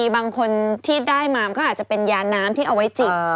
บางคนที่ได้มามันก็อาจจะเป็นยาน้ำที่เอาไว้จิบ